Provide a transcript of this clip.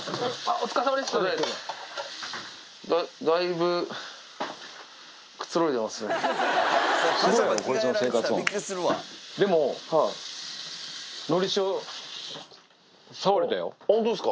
お疲れさまです。